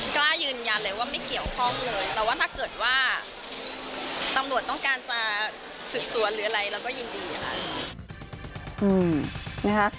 กล้ายืนยันเลยว่าไม่เกี่ยวข้องเลยแต่ว่าถ้าเกิดว่าตำรวจต้องการจะสืบสวนหรืออะไรเราก็ยินดีค่ะ